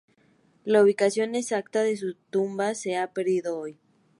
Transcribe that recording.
La ubicación exacta de su tumba se ha perdido hoy.